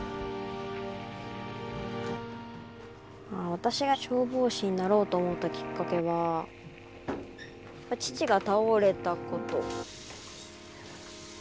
私が消防士になろうと思ったきっかけは父が倒れたこと。